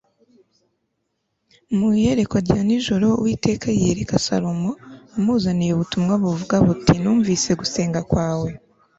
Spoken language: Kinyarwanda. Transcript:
mu iyerekwa rya nijoro uwiteka yiyereka salomo amuzaniye ubutumwa buvuga buti numvise gusenga kwawe